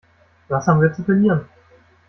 Was haben wir zu verlieren?